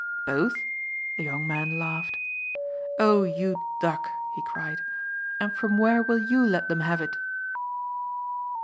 "Both?" the young man laughed. "Oh you duck!" he cried. "And from where will YOU let them have it?"